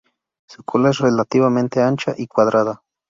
Su cola es relativamente ancha y cuadrada.